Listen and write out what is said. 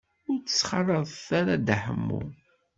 Ur ttxalaḍet ara Dda Ḥemmu.